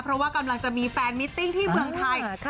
เพราะว่ากำลังจะมีแฟนมิตติ้งที่เมืองไทย